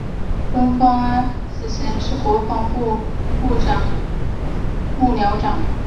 孙芳安此前是国防部长幕僚长。